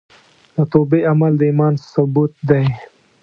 د توبې عمل د ایمان ثبوت دی.